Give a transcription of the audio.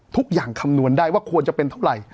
ทุกอย่างคำนวณได้ว่าควรจะเป็นเท่าไหร่